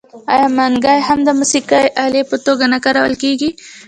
آیا منګی هم د موسیقۍ الې په توګه نه کارول کیږي؟